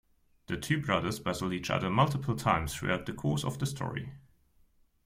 The two brothers battle each other multiple times throughout the course of the story.